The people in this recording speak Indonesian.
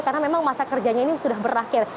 karena memang masa kerjanya ini sudah berakhir